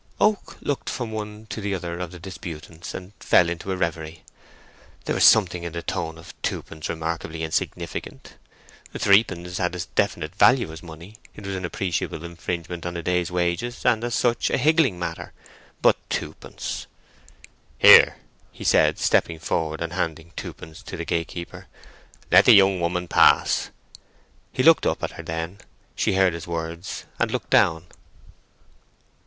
Oak looked from one to the other of the disputants, and fell into a reverie. There was something in the tone of twopence remarkably insignificant. Threepence had a definite value as money—it was an appreciable infringement on a day's wages, and, as such, a higgling matter; but twopence—"Here," he said, stepping forward and handing twopence to the gatekeeper; "let the young woman pass." He looked up at her then; she heard his words, and looked down.